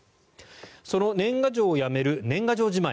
その年賀状をやめる年賀状じまい。